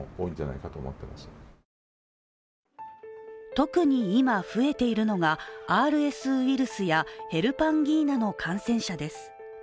特に今増えているのが、ＲＳウイルスやヘルパンギーナの感染者です。